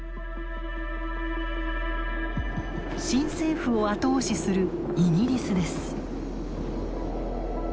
新政府を後押しするイギリスです。